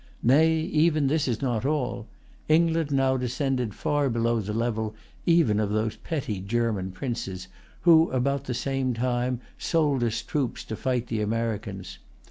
Nay, even this is not all. England now descended far below the level even of those petty German princes who, about the same time, sold us troops to fight the Americans.